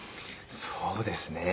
そうですね。